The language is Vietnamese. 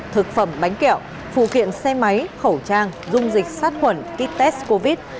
thực phẩm bánh kẹo phụ kiện xe máy khẩu trang dung dịch sát quẩn kích test covid